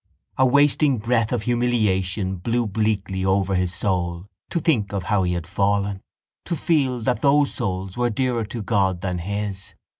A wasting breath of humiliation blew bleakly over his soul to think of how he had fallen, to feel that those souls were dearer to God than his.